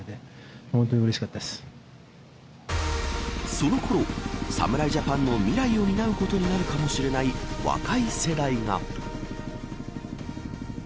そのころ、侍ジャパンの未来を担うことになるかもしれない若い世代が。